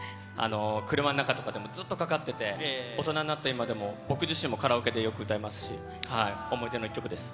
車の中とかでもずっとかかってて、大人になった今でも、僕自身もカラオケでよく歌いますし、思い出の一曲です。